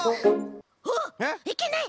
はっいけない！